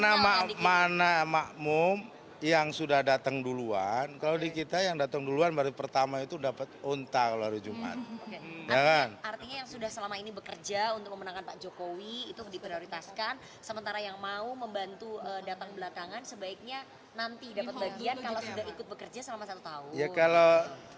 sementara yang mau membantu datang belakangan sebaiknya nanti dapat bagian kalau sudah ikut bekerja selama satu tahun